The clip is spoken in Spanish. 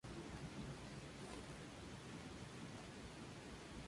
El público adoraba sus melodramas.